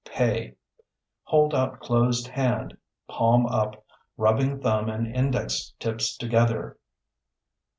Pay (Hold out closed hand, palm up, rubbing thumb and index tips together).